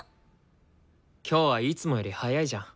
今日はいつもより早いじゃん。